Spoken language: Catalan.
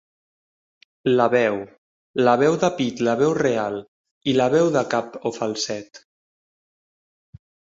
La veu, la veu de pit la veu real, i la veu de cap o falset